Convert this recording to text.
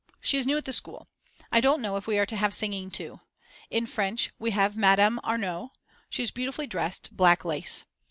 She is new at the school. I don't know if we are to have singing too. In French we have Madame Arnau, she is beautifully dressed, black lace.